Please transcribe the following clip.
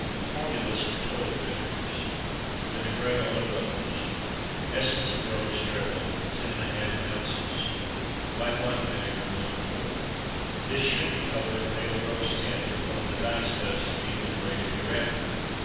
FORMULAS FOR TOILET VINEGARS. VINAIGRE A LA ROSE. Essence of rose (triple) 10½ oz. White wine vinegar 1 qt. This should be colored a pale rose tint with one of the dye stuffs to be enumerated hereafter.